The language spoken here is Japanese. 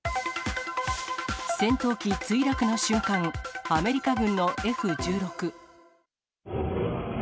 戦闘機墜落の瞬間、アメリカ軍のＦ１６。